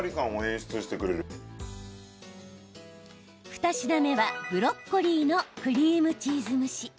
２品目は、ブロッコリーのクリームチーズ蒸し。